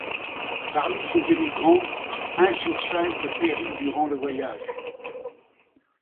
Parmi ces émigrants, un sur cinq périt durant le voyage.